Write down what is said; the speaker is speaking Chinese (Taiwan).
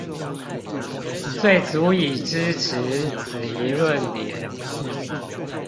最足以支持此一論點？